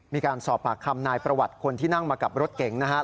มีการสอบปากคำนายประวัติคนที่นั่งมากับรถเก๋งนะครับ